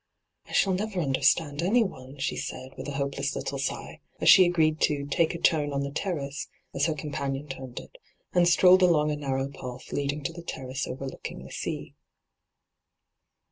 ' I shall never understand anyone,' she said, with a hopeless little sigh, as she agreed to ' take a turn on the terrace,' as her companion termed it, and strolled along a narrow path leading to the terrace overlooking the sea.